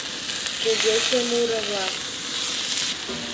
КУГЕЧЕ МУРО-ВЛАК.